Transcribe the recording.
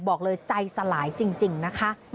บอกเลยใจสลายจริงนะคะ